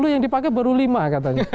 sepuluh yang dipakai baru lima katanya